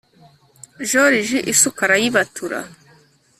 joriji isuka arayibatura